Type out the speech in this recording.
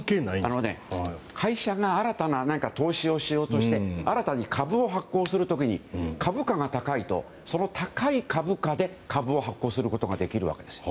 会社が新たな投資をしようとして新たに株を発行する時に株価が高いとその高い株価で株を発行することができるわけです。